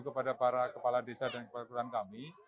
kepada para kepala desa dan kepala kelurahan kami